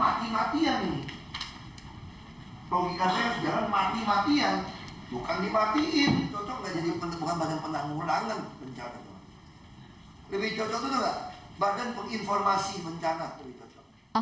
badan penginformasi bencana lebih cocok